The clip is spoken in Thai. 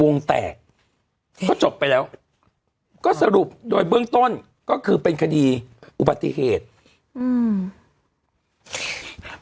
วงแตกก็จบไปแล้วก็สรุปโดยเบื้องต้นก็คือเป็นคดีอุบัติเหตุอืม